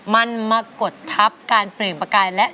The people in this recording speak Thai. มันมากดทับการเปล่งประกายและ